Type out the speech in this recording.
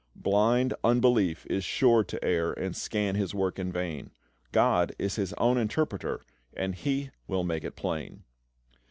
"Blind unbelief is sure to err And scan His work in vain; GOD is His own Interpreter, And He will make it plain."